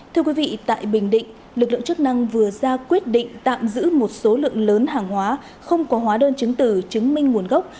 thưa quý vị tại bình định lực lượng chức năng vừa ra quyết định tạm giữ một số lượng lớn hàng hóa không có hóa đơn chứng tử chứng minh nguồn gốc